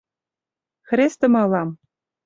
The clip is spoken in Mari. Хрестымы ылам.